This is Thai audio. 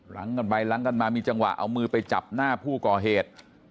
หลังกันไปล้างกันมามีจังหวะเอามือไปจับหน้าผู้ก่อเหตุ